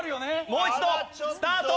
もう一度スタート。